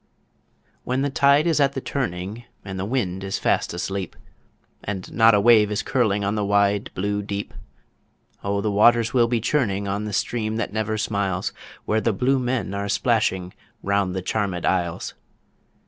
When the tide is at the turning and the wind is fast asleep, And not a wave is curling on the wide, blue Deep, O the waters will be churning on the stream that never smiles, Where the Blue Men are splashing round the charmèd isles.